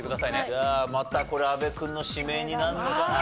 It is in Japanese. じゃあまたこれ阿部君の指名になるのかな？